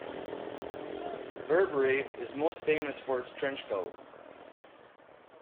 Burberry is most famous for its trench coat.